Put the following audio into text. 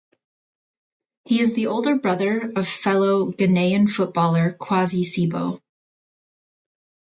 He is the older brother of fellow Ghanaian footballer Kwasi Sibo.